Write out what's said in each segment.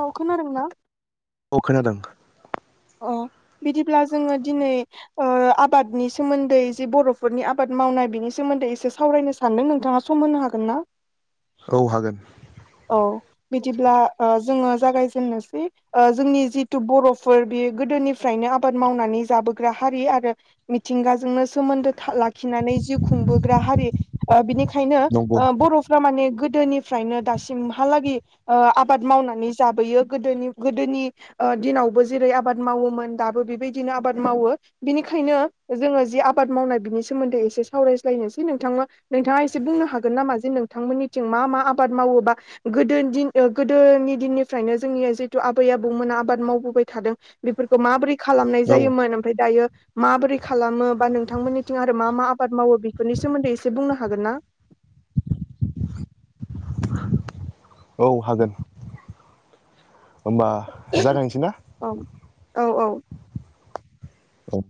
औ खोनादोंना? अ खोनादों। अ बिदिब्ला जोङो दिनै ओ आबादनि सोमोन्दै जे बर'फोरनि आबाद मावनाय बिनि सोमो दै एसे सावरायनो सानदों नोंथाङा सम होनो हागोन ना? औ हागोन। औ बिदिब्ला ओ जोङो जागायजेननोसै ओ जोंनि जिथु बर'फोर बे गोदोनिफ्रायनो आबाद मावनानै जाबोग्रा हारि आरो मिथिंगाजोंनो सोमोन्दो था लाखि नानै जिउ खुंबोग्रा हारि ओ बिनिखायनो नंगौ ओ बर'फ्रा माने दोनिफ्रायनो दासिमहालागै ओ आबाद मावनानै जाबोयो गोदोनि गोदोनि ओ दिनावबो जेरै आबाद मावोमोन दाबो बेबायदिनो आबाद मावो बिनिखायनो जोङो जि आबाद मावनाय बिनि सोमोन्दै एसे सावरायज्लायनोसै नोंथां नोंथाङा एसे बुंनो हागोन नामा जे नोंथांमोननिथिं मा मा आबाद माव? बबा गोदोदिन ओ गोदोनि दिननिफ्रायनो जोंनि जिथु आबै आबौमोना आबाद मावबोबाय थादों बेफोरखौ माबोरै खालामनाय औ जायोमोन ओमफ्राय दायो माबोरै खालामो बा नोंथांमोननिथिं आरो मा मा आबाद मावो बेफोरनि सोन्दै एसे बुंनो हागोन ना औ हागोन होमबा जागायनोसै ना औ औ औ औ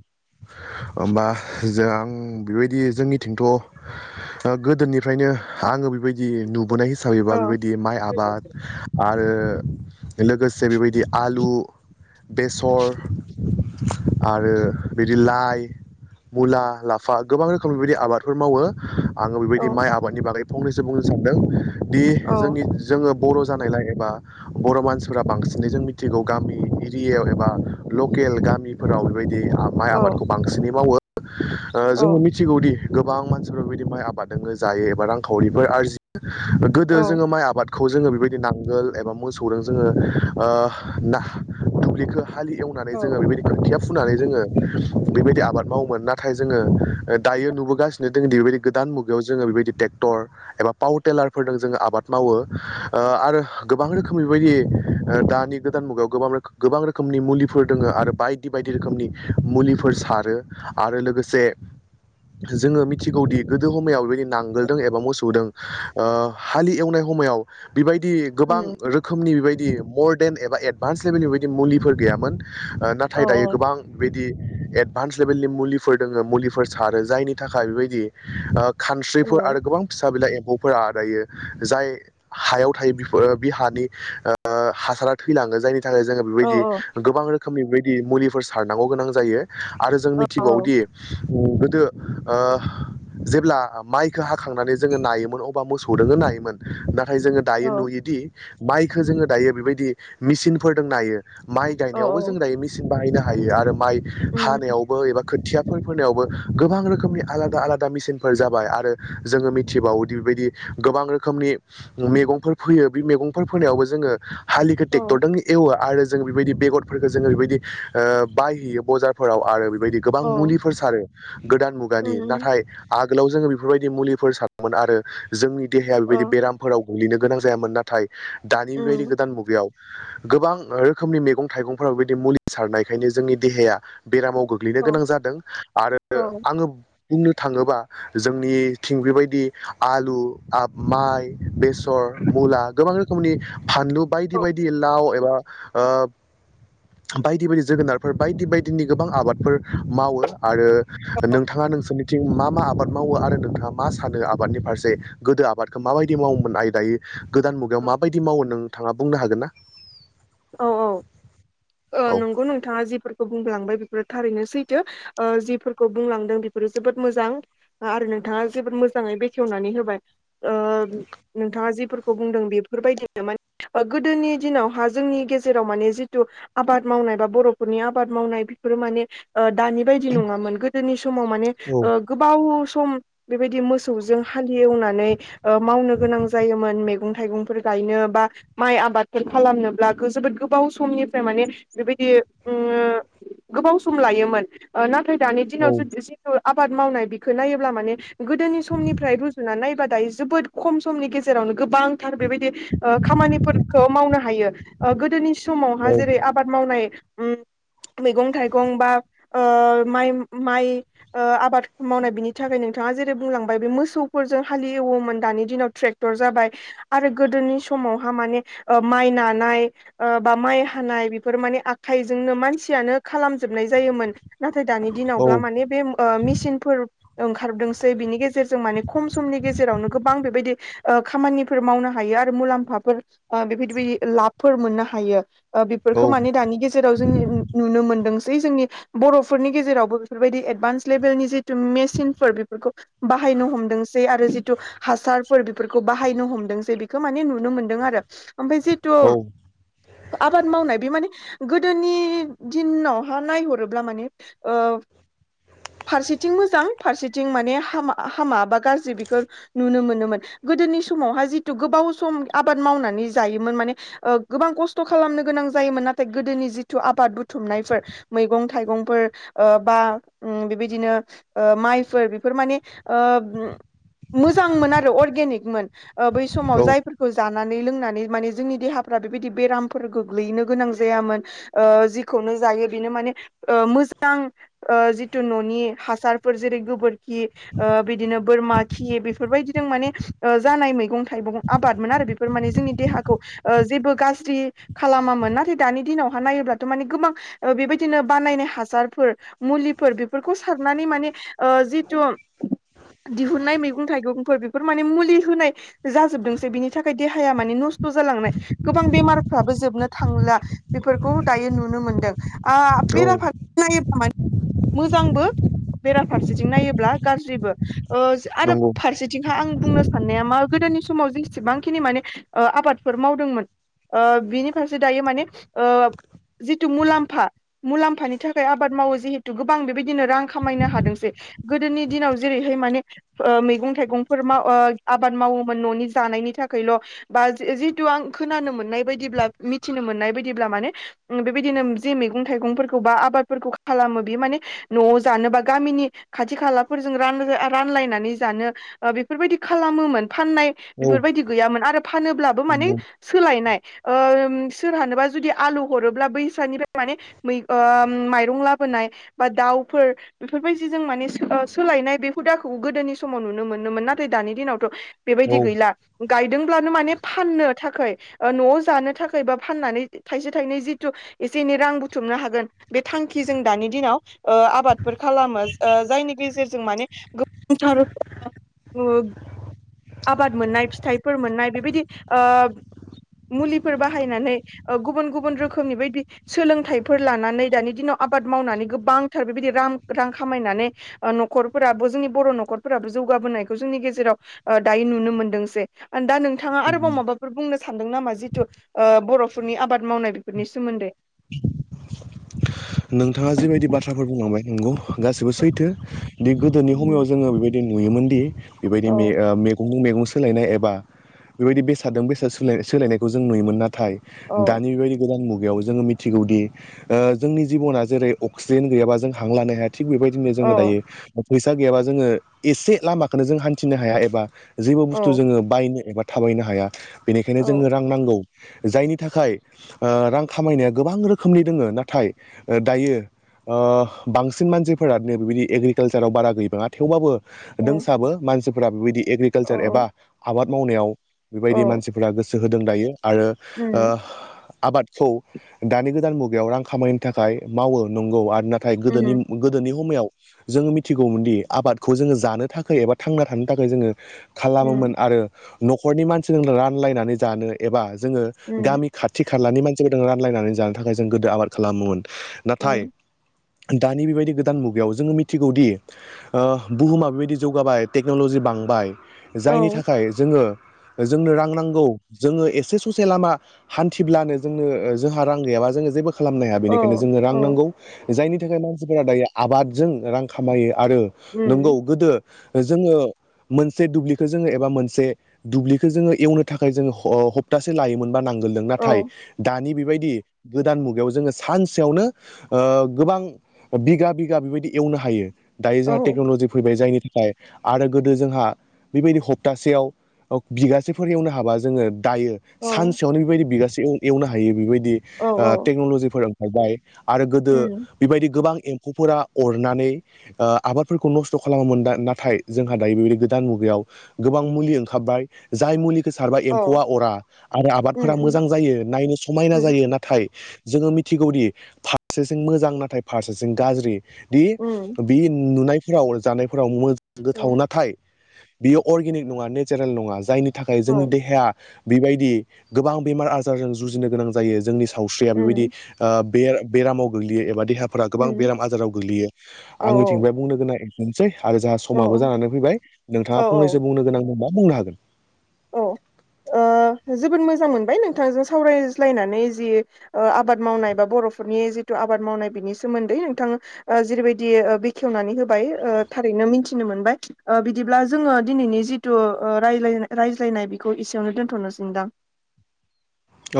होमबा जों आं बेबायदि जोंनिथिंथ' गोदोनिफ्रायनो आं बि बेबायदि नुबोनाय हिसाबैबा औ बेबायदि माइ आबाद आरो लोगोसे बेबायदि आलु बेसर आरो बिदि लाइ मुला लाफा गोबां रोखोम बेबायदि आबादफोर मावो। आङो औ बेबायदि माइ आबादनि बागै फंनैसो बुंनो सानदों दि जोंनि जोङो बर' जानायलाय एबा बर' मानसिफोरा बांसिनै जों मिथिगौ गामि एरियायाव एबा लेकेल लकेल गामिफोराव बेबायदि माइ औ आबादखौ बांसिनै मावो ओ जोङो औ मिथिगौदि गोबां मानसिफोर बेबायदि माइ आबाद दो जायो एबा रांखावरिफोर आरजियो गोदो औ जोङो माइ आबाद खौ जोङो बेबायदि नांगोल एबा मोसौजों जोङो ओ ना दुबलिखौ हाललि एवनानै औ जोङो बेबायदिनो खोथिया फुनानै जोङो बेबायदि आबाद मावोमोन नाथाय जोङो दायो नुबोगासिनो दोंङोदि गोदान मुगायाव जोङो बेबायदि ट्रेक्टर एबा पावार टेलारफोरजों जोङो आबाद मावो ओ आरो गोबां रोखोम बेबायदि ओ दानि गोदान मुगायाव गोबां गोबां रोखोमनि मुलिफोर दङ आरो बाय बायदि बायदि रोखोमनि मुलिफोर सारो आरो लोगोसे जोङो मिथिगौदि गोदो समायाव बेदिनो नांगोलदों एबा मोसौदों ओ हालि एवनाय समाव बिबायदि गोबां उम रोखोमनि बेबायदि मर्देन एबा एड भान्स लेभेलनि बायदि मुलिफोर गैयामोन औ नाथाय दायो गोबां बिदि एड भान्स लेभेलनि मुलिफोर दोङो मुलिफोर सारो जायनि थाखाय बेबायदि खानस्रिफोर औ आरो गोबां फिसा बिला एम्फौ फोरा दायो जाय हायाव थायो बिफोर बि हानि ओ हासारा थैलाङो जायनि नि थाखाय जोङो बेबायदि औ गोबां रोखोमनि बेबायदि मुलिफोर सारनांगौ गोनां जायो। आरो जों औ मिथिबावदि गोदो ओ जेब्ला माइखौ हाखांनानै जोङो नायोमोन अबा मोसौ दो नायोमोन ना नाथाय जोङो दायो औ नुयोदि माइखौ जोङो दायो बेबायदि मेचनफोरजों नायो। माइ औ गायनायावबो जों दायो मेसिन बाहायनो हायो आरो माइ उम हानायावबो एबा खोथियाफोर नायावसो गोबां रोखोमनि आलादा आलादा मिेसिनफोर जाबाय आरो जोङो मिथिबावो बायदि गोबां रोखोमनि मैगंफोर फोयो बे मैगंफोर फोनायावबो जोङो हालिखौ औ ट्रेकटरजों एवो आरो बे बादि बेगरफोरखो जोङो ओ बायहैयो बाजारफोराव आरो। गोबां औ मुलिफोर सारो गोदान मुगानि उम नाथाय आगोलाव जोङो बेफोर बायदि मुलिफोर सारामोन आरो जोंनि देहाया औ बेबायदि बेरामफोराव गोग्लैनो गोनां जायामोन नाथाय दानि बेबायदि उम गोदान मुगायाव। गोबां रोखोमनि मैगं थाइगंफोराव बेबायदि मुलि सारनायखायनो जोंनि देहाया बेरामाव गोग्लैनो औ गोनां जादों आरो आङो। बुंनो थाङोबा जोंनिथिं बेबायदि आलु माइ बे बेसर, मुला गोबां रोखोमनि फानलु बायदि औ बायदि लाव एबा। ओं। बायदि बायदि जोगोनारफोर बायदि बायदिनि गोबां आबादफोर मावो आरो। नोंथाङा नोंसोरनि मा मा आबाद मावो आरो नोंथाङा मा सानो आबादनि फारसे गोदो आबादखौ माबायदि मावोमोन आरो दायो। गोदान मुगायाव माबायदि मावो नोंथांङा बुंनो हागोन ना? औ औ ओ औ नंगौ नोंथांङा जिफोरखौ बुंलांबाय बे थारैनो सैथो ओ जिफोरखौ बुंलांदों बेफोरो जोबोद मोजां आरो नोंथांङा जोबोद मोजां जांङै बेखेवनानै होबाय ओ नोंथांङा जिफोरखौ बुंदों बेफोर बायदिनो माने गोदोनि दिनावहाय। जोंनि गेजेराव माने जिथु आबाद मावनाय बा बर'फोरनि आबाद मावनाय बेफोरो माने ओ दानि बायदि नंङामोन गोदोनि समाव माने औ ओ गोबाव सम बेबायदि मोसौजों हालेवनानै ओ मावनो गोनां जायोमोन मैगं मैगं थाइगंफोर गायनो बा माइ आबादफोर खालामनो। बला गो जोबोद गोबाव समनिफ्राय माने बेबायदि ओ गोबाव सम लायोमोन नाथाय दानि दिनाव औ जिथु आबाद मावनाय बेखौ नायोब्ला माने गोदोनि समनिफ्राय रुजुनानै नायबा। दायो जोबोद खम समनि गेजेरावनो गोबांथार बेबायदि ओ खामानिफोरखौ मावनो हायो। ओ गोदोनि औ समावहा जेरै आबाद मावनाय उम मैगं थाइगं बा ओ माइ माइ ओ आबाद मावनाय बिनि थाखाय नोंथां। ङा जेरै बुंलांबाय बे मोसौफोरजों हालिवोमोन दानि दिनाव ट्रेक्टर जाबाय आरो गोदोनि समाव मावहा माने माइ नानाय। ओ बा माइ हानाय बेफोर माने आखाइजोंनो मानसियानो खालामजोबनाय जायोमोन। नाथाय दानि दिनावब्ला माने बे ओ मेसिनफोर ओंखारदोंसै बिनि गेजेरजों माने खम समनि गेजेरावनो गोबां बेबायदि ओ खामानिफोर मावनो हायो। [inaudible] फोर मोननो हायो ओ औ बेफोरखौ माने दानि गेजेराव जोंनि उम नुनो मोनदों दै जोंनि बर'फोरनि गेजेरावबो बेफोरबायदि एदभान्स लेभेलनि जि मेचिनफोर बेफोरखौ बाहायनो हमदोंसै आरो जिथु हासारफोर फोरखौ बाहायनो हमदों जे बेखौ माने नुनो मोन्दों आरो ओमफ्राय जितु औ आबाद मावनाय बे माने गोदोनि दिनावहा नायहरोब्ला माने ओं फारसेथिं मोजां फारसेथिं माने हामा हामा बा गाज्रि बेखौ नुनो मोनोमोन‌। गोदोनि समावहाय जितु गोबाव सम आबाद मावनानै जायोमोन माने ओ गोबां खस्थ' खालामनो गोनां जायोमोन नाथाय गोदोनि जिथु आबाद बुथुमनायफोर मैगं थाइगंफोर ओ बा उम बेबायदिनो ओ माइफोर बेफोर माने ओ उम मोजांमोन आरो अर्गेनिकमोन ओ बै समाव जायफोरखौ जानानै लोंनानै माने जोंनि देहा फ्रा बेबायदि बेरामफोर गोग्लैनो गोनां जायामोन जेखौनो जायो बेनो माने ओ मोजां सिगां ओ जिथु न'नि हासारफोर जेरै गोबोरखि ओ बिदिनो बोरमा खि नि बेफोरबायदिजों माने ओ जानाय मैगं थाइगं आबादमोन आरो बेफोर माने जोंनि देहाखौ ओ जेबो गाज्रि खालामामोन नाथाय दानि दिनावहा नायोब्लाथ' माने गोबां ओबेबायदिनो बानायनाय हासारफोर मुलिबफोर बिफोरखौ सारनानै माने ओ जिथु दिहुननाय मैगं थाइगंफोर बेफोर माने मुलि होनाय जाजोबदोंसै बिनि थाखाय देहाया माने न खस्थ' जालांनाय गोबां बेमारफ्राबो जोबनो थांला बेफोरखौ दायो नुनो औ मोनदों । [unintelligible] मोजांबो बेराफारसेथिं नायोब्ला गाज्रिबो ओ जो आरो नंगौ फारसेथिंहा आं बुंनो साननाया मा गोदोनि समाव जेसेबांखिनि माने ओ आबाद मावदोंमोन ओ बिनि फारसे दायो माने ओ जिथु मुलाम्फा मुलाम्फानि थाखाय आबाद मावो जिहेथु गोबां बेबायदिनो रां खामायनो हादोंसै गोदोनि दिनाव जेरैहाय माने ओ मैगं थाइगंफोर माव ओ आबाद मावोमोन न'नि जानाय नि थाखायल' बा [unintelligible] थु आं खोनानो मोननाय बायदिब्ला मिथिनो मोननाय बायदिब्ला माने उम बेबायदिनो जि मैगं थाइगंफोरखौ बा आबादफोरखौ खालामो बिमाने न'आव जानोबा गामिनि खाथि खाला रानो रानला नानै जानो ओ बेफोरबायदि खालामोमोन फाननाय औ बेफोरबायदि गैयामोन आरो फानोब्लाबो माने नंगौ सोलायनाय ओम सोरहानोबा जुदि आलु हरोब्ला बैसानिफ्राय माने मैग ओम माइरं लाबोनाय बा दाउफोर बेफोरबायदि जों माने ओ सोलायनाय बे हु दाखौ गोदोनि समाव नुनो मोनोमोन नाथाय दानि दिनावथ' बेबायदि औ गैला गायदोंब्लानो माने फाननो थाखाय ओ न'आव जानो थाखाय बा फाननानै थाइसे थाइनै जिथु एसे एनै रां बुथुमनो हागोन बे थांखि जों दानि दिनाव ओ आबादफोर खालामो ओ जायनि गेजेरजों माने [unintelligible] आबाद मोननाय फिथाइफोर मोननाय बेबायदि ओ मुलिफोर बाहायनानै गुबुन गुबुन रोखोमनि बायदि सोलोंथाइफोर लानानै दानि दिनाव आबाद मावनानै गोबांथार बेबायदि रां रां खामायनानै न'खरफोराबो जोंनि बर' न'खरफोराबो जौगा बोनायखौ जोंनि गेजेराव ओ दायो नुनो मोनदों जे। दा नोंथाङा आरोबाव माबा सादों नामा ओ जिथु बर'फोरनि आबाद मावनाय बेफोरनि सोमोन्दै। नोंथाङा जिबायदि बाथ्राफोर बुंलांबाय नंगौ गासिबो सैथो दि गोदोनि हामैआव जोङो बेबायदि बे‌ नुदोंमोनदि बेबायदि औ मे ओ मेगं मेगं सोलायनाय एबा बेबायदि बेसाददों बेसाद सोलाय सोलायनायखौ जों नुयोमोन ना थाय औ दानि बेबायदि गोदान मुगायाव जोङो मिथिगौदि ओ जोंनि जिब'ना जेरै अक्सिजेन गैयाबा जों हां लानो हाया थिग बेबायदिनो औ जोङो दायो फैसा गैयाबा जोङो एसे लामाखोनो जों हान्थिनो हाया एबा जेबो बुस्थु औ जोङो बायनो थाबायनो हाया बेनिखायनो जोंनो औ रां नांगौ । जायनि थाखाय ओ रां खामायनाया गोबां रोखोमनि दोङ नाथाय ओ दायो ओ बांसिन मानसिफोरानो बेबायदि एग्रिकालसाराव बारा गैबाङा थेवबाबो औ दोंसाबो मानसिफोरा बेबायदि एग्रिकालसार औ एबा आबाद मावनायाव बेबायदि औ मानसिफोरा गोसो होदों दायो आरो उम ओ आबादखौ दानि गोदान मुगायाव रां खामानिनि थाखाय मावो नंगौ आरो ना नाथाय गोदोनि उम गोदोनि हमैयाव जोङो मिथिगौमोनदि आबादखौ जोङो जानो थाखाय एबा थांना थानो थाखाय जोङो खालामोमोन उम आरो न'खरनि मानसिजों रानलायनानै जानो एबा जोङो उम गामि खाथि खालानि मानसिफोरजों रानलायनानै जानो थाखाय जों गोदो आबाद खालामोमोन । नाथाय उम दानि बेबायदि गोदान मुगायाव जोङो मिथिगौदि ओ बुहुमा बेबायदि जौगाबाय टेकन'लजि बा बांबाय औ जायनि थाखाय जोङो जोंनो रां नांगौ जोङो एसे ससे लामा हान्थिब्लानो जोंनो जोंहा रां गैयाबा जोङो जेबो खालामनाया औ बेनिखायनो जोंनो रां औ नांगौ जायनि थाखाय मानसिफोरा दायो आबादजों रां खामायो आरो नोंगौ उम गोदो जोङो मोनसे दुब्लिखौ जोङो एबा मोनसे दुब्लिखौ जोङो एवनो थाखाय जोङो ह हबतासे लायोमोनबा नांगोलदों नाथाय औ दानि बेबायदि गोदान मुगायाव जोङो सानसेयावनो ओ गोबां बिगा-बिगा बेबायदि एवनो हायो दायो औ जोंहा टेक्न'लजि फैबाय जायनि थाखाय आरो गोदो जोंहा बेबायदि हप्तासेयाव बिगासेफोर एवनो हाबा जोङो दायो औ सानसेयावनो बेबायदि बिगासे एवनो हायो बेबायदि औ औ टेक्न'ल'जिफोर ओंखारबाय। आरो गोदो उम बेबायदि गोबां एम्फौफोरा अरनानै आबादफोरखौ नस्थ' खालामो मोन नाथाय जोंहा दायो बेबायदि गोदान मुगायाव गोबां मुलि ओंखारबाय जाय मुलि खौ सारबा औ एम्फौआ अरा आरो उम आबादफोरा उम मोजां जायो नायनो समायना उम जायो नाथाय जोङो मिथिगौदि फारसेथिं मोजां नाथाय फारसेथिं गाज्रि बि उम बि नुनाय फोराव जानायफोराव गोथाव औ नाथाय बियो अर्गेनिक नङा नेचारेल नङा जायनि थाखाय जोंनि औ देहाया बेबायदि गोबां बेमार आजारजों जुजिनो गोनां जायो । जोंनि सावस्रिया बेबायदि उम ओ बेर बेरामाव गोग्लैयो एबा देहा फोर गोबां उम बेराम आजाराव गोग्लैयो। औ आंनिथिंबाय बुंनो गोनां एसेनोसै। आरो जोंहा औ समाबो जानानै फैबाय औ नोंथाङा फंनैसो बुंनो गोनां दंबा बुंनो हागोन। औ जोबोद मोजां मोनबाय नोंथांजों सावरायज्लायनानै जि आबाद मावनाय बा बर' नि जिथु आबाद मावनाय बिनि सोमोन्दै नोंथाङा जेरैबायदि बेखेवनानै होबाय थारै नों मोन बिदिब्ला जोङो दिनैनि जिथु रायज्लायनाय बिखौ एसेयावनो दोनथ'नोसैदां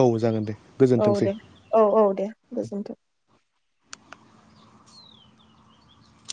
औ जागोन दे। औ गोजोनथोंसै दे औ -औ दे गोजोनथों।